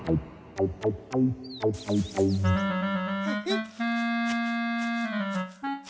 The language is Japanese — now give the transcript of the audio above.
フフッ。